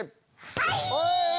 はい！